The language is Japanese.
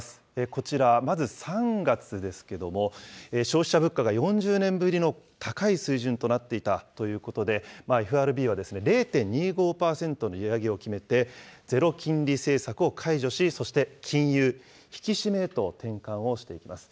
こちら、まず３月ですけれども、消費者物価が４０年ぶりの高い水準となっていたということで、ＦＲＢは０．２５％の利上げを決めて、ゼロ金利政策を解除し、そして、金融引き締めへと転換をしていきます。